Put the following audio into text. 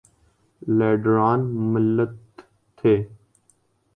لیڈران ملت تھے۔